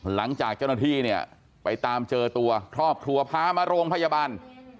หลังจากเจ้าหน้าที่เนี่ยไปตามเจอตัวครอบครัวพามาโรงพยาบาล